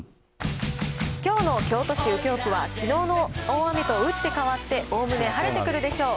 きょうの京都市右京区は、きのうの大雨と打って変わって、おおむね晴れてくるでしょう。